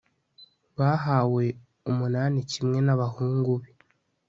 bahawe umunani kimwe n'abahungu be